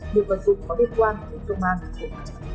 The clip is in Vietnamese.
được vận phục có liên quan đến công an của quốc gia